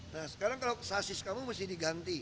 nah sekarang kalau sasis kamu mesti diganti